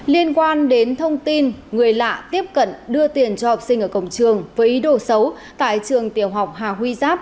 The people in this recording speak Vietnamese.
liên quan đến thông tin người lạ tiếp cận đưa tiền cho học sinh ở cổng trường với ý đồ xấu tại trường tiểu học hà huy giáp